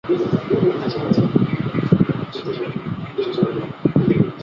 通常海马凭借身上体色的伪装及硬化成皮状的皮肤以逃避掠食者。